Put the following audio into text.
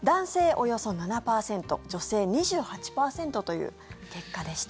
およそ７％女性２８％という結果でした。